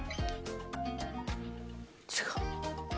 違う？